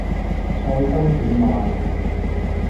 菜心點賣